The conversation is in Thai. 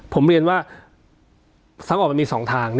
ผมเรียนว่าทางออกมีสองทาง